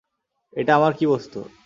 এইটা আমার কী বস্তু?